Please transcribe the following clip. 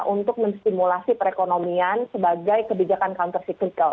untuk menstimulasi perekonomian sebagai kebijakan counter cyclical